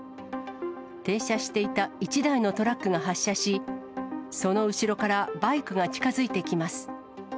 停車していた１台のトラックが発車し、その後ろからバイクが近づいてきます。